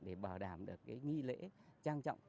để bảo đảm được nghi lễ trang trọng